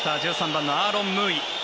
１３番のアーロン・ムーイ。